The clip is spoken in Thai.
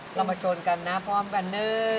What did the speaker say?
เรามาชนกันนะพร้อมกันเนอะ